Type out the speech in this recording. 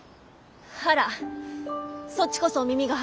あらそっちこそお耳が早い。